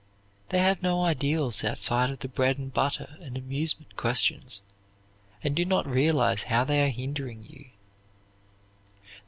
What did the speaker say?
They have no ideals outside of the bread and butter and amusement questions, and do not realize how they are hindering you.